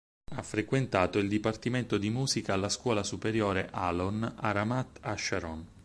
Ha frequentato il dipartimento di musica alla scuola superiore "Alon" a Ramat HaSharon.